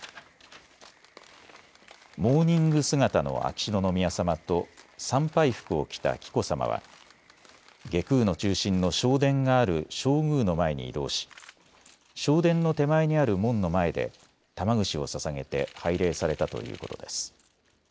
モーニング姿の秋篠宮さまと参拝服を着た紀子さまは外宮の中心の正殿がある正宮の前に移動し正殿の手前にある門の前で玉串をささげて拝礼されたということです。